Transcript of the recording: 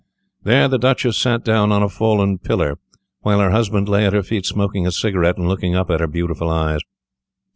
There the Duchess sat down on a fallen pillar, while her husband lay at her feet smoking a cigarette and looking up at her beautiful eyes.